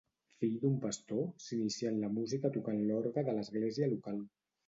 Fill d'un pastor, s'inicià en la música tocant l'orgue de l'església local.